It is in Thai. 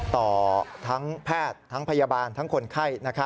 ต่อทั้งแพทย์ทั้งพยาบาลทั้งคนไข้